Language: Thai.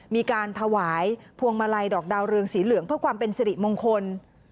มีการถวายพวงมาลัยดอกดาวเรืองสีเหลืองเพื่อความเป็นสิริมงคล